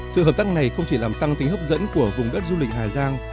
sự hợp tác này không chỉ làm tăng tính hấp dẫn của vùng đất du lịch hà giang